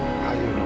sudah usahaya dipan